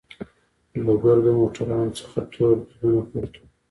له ګردو موټرانو څخه تور دودونه پورته وو.